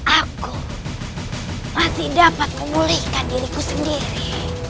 aku masih dapat memulihkan diriku sendiri